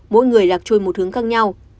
mỗi người lạc trôi một hướng khác nhau